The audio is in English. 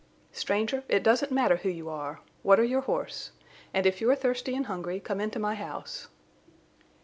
"Stranger, it doesn't matter who you are. Water your horse. And if you are thirsty and hungry come into my house."